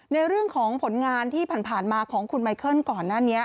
ในเรื่องของผลงานที่ผ่านมาของคุณไมเคิลก่อนหน้านี้